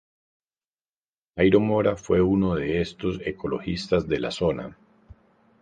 Jairo Mora fue uno de estos ecologistas de la zona.